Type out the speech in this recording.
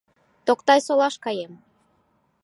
— Токтай-Солаш каем.